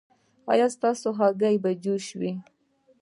ایا ستاسو هګۍ به جوش وي؟